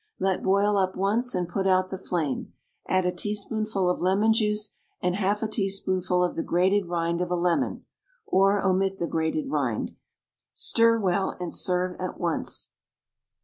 Let boil up once and put out the flame; add a teaspoonful of lemon juice and half a teaspoonful of the grated rind of a lemon (or omit the grated rind); stir well and serve at once.